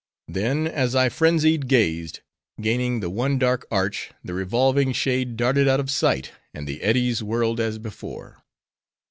Then, as I frenzied gazed; gaining the one dark arch, the revolving shade darted out of sight, and the eddies whirled as before.